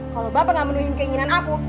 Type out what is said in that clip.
kalau bapak gak menuhin keinginan aku